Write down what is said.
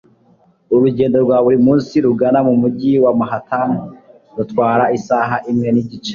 urugendo rwa buri munsi rugana mu mujyi wa manhattan rutwara isaha imwe nigice